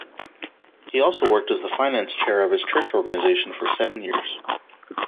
He also worked as the finance chair of his church organization for seven years.